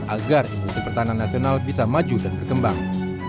agar industri pertahanan nasional bisa maju dan berkembang